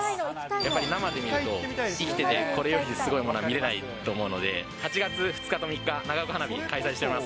やっぱり生で見ると、生きててこれよりすごいものは見れないと思うので、８月２日と３日、長岡花火、開催しております。